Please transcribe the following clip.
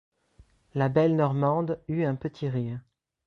La belle Normande eut un petit rire.